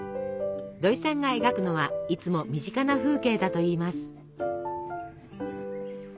どいさんが描くのはいつも身近な風景だといいます。